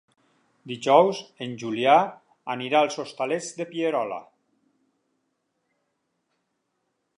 Dijous en Julià anirà als Hostalets de Pierola.